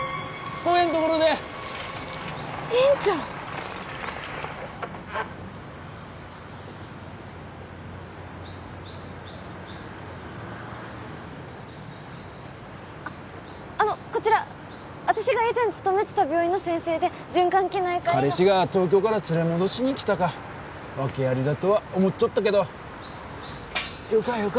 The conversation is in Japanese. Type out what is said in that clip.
こげんところで院長あっあのこちら私が以前勤めてた病院の先生で循環器内科医の彼氏が東京から連れ戻しに来たか訳アリだとは思っちょったけどよかよか